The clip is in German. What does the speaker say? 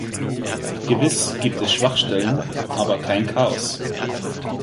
Gewiss gibt es Schwachstellen, aber kein Chaos.